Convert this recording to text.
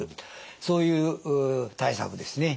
そういう対策ですね。